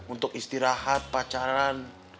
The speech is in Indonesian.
untuk istirahat pacaran